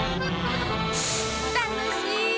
たのしい！